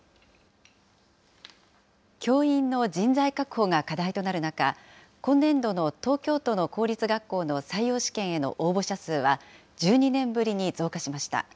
教員の人材確保が課題となる中、今年度の東京都の公立学校の採用試験への応募者数は、１２年ぶりに増加しました。